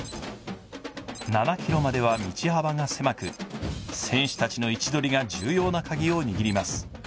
７ｋｍまでは道幅が狭く選手たちの位置取りが重要なカギを握ります。